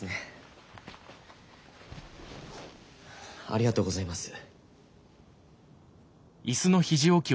ありがとうございます。